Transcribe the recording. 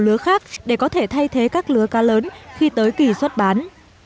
các lứa khác để có thể thay thế các lứa cá lớn khi tới kỳ xuất bán